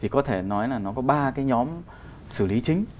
có thể nói là nó có ba cái nhóm xử lý chính